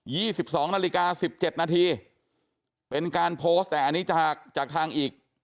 ี่สิบสองนาฬิกาสิบเจ็ดนาทีเป็นการโพสต์แต่อันนี้จากจากทางอีก